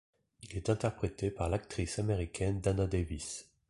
Il est interprété par l'actrice américaine Dana Davis.